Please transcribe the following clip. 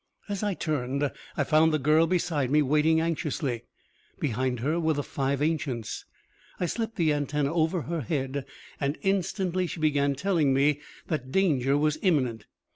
As I turned, I found the girl beside me, waiting anxiously. Behind her were the five ancients. I slipped the antenna over her head, and instantly she began telling me that danger was imminent.